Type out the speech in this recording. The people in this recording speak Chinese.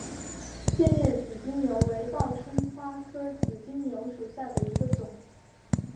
剑叶紫金牛为报春花科紫金牛属下的一个种。